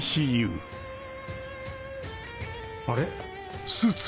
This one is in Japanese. あれ？